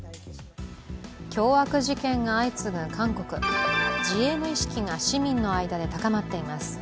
凶悪事件が相次ぐ韓国、自衛の意識が市民の間で高まっています。